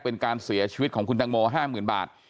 เป็นการเสียชีวิตของคุณตังโม๕๐๐๐บาท